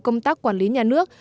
công tác quản lý nhà nước